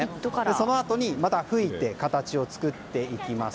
そのあとにまた吹いて形を作っていきます。